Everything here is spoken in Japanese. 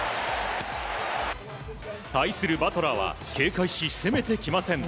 対するバトラーは警戒し、攻めてきません。